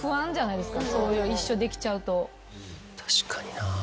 確かになぁ。